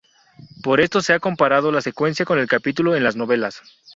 Por esto se ha comparado la secuencia con el capítulo en las novelas.